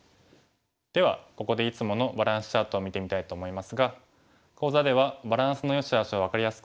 ではここでいつものバランスチャートを見てみたいと思いますが講座ではそれでは安田さん白のバランスチャートをお願いします。